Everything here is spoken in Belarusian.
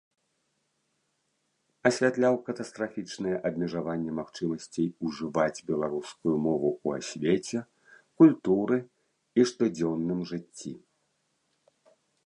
Асвятляў катастрафічнае абмежаванне магчымасцей ужываць беларускую мову ў асвеце, культуры і штодзённым жыцці.